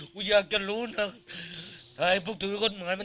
กูอยากจะรู้นะ